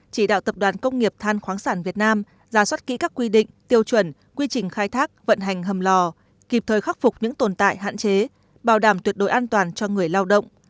chỉ đạo tập đoàn công nghiệp than khoáng sản việt nam ra soát kỹ các quy định tiêu chuẩn quy trình khai thác vận hành hầm lò kịp thời khắc phục những tồn tại hạn chế bảo đảm tuyệt đối an toàn cho người lao động